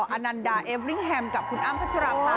อนันดาเอฟริ่งแฮมกับคุณอ้ำพัชราภา